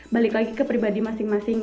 balik lagi ke pribadi masing masing